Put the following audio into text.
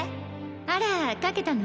あら描けたの？